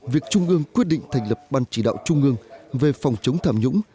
việc trung ương quyết định thành lập ban chỉ đạo trung ương về phòng chống tham nhũng